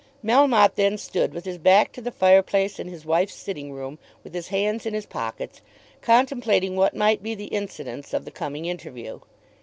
Melmotte then stood with his back to the fire place in his wife's sitting room, with his hands in his pockets, contemplating what might be the incidents of the coming interview.